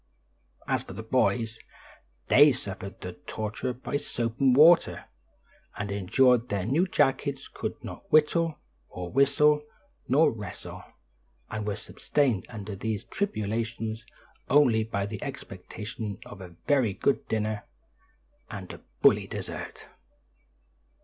As for the boys, they suffered the torture by soap and water, and endured their new jackets, could not whittle, nor whistle, nor wrestle, and were sustained under these tribulations only by the expectation of a very good dinner and a "bully" dessert!